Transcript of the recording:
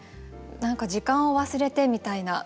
何か時間を忘れてみたいな。